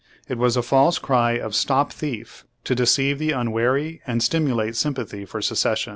It was a false cry of "stop thief," to deceive the unwary, and stimul ate sympathy for secession.